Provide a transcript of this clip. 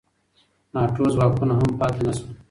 ناټو ځواکونه هم پاتې نه شول.